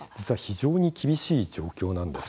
非常に厳しい状況です。